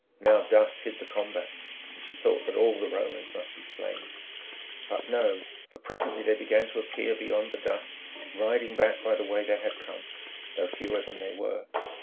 Now dust hid the combat, and she thought that all the Romans must be slain. But no, for presently they began to appear beyond the dust, riding back by the way they had come, though fewer than they were.